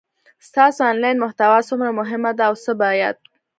ستاسو انلاین محتوا څومره مهمه ده او څه باید